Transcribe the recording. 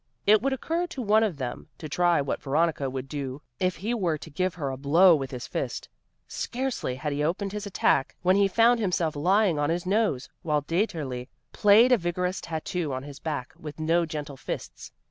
It would occur to one of them to try what Veronica would do if he were to give her a blow with his fist. Scarcely had he opened his attack when he found himself lying on his nose, while Dieterli played a vigorous tattoo on his back with no gentle fists.